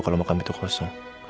kalau makam itu kosong